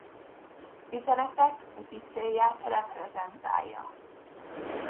Üzenetek úticélját reprezentálja.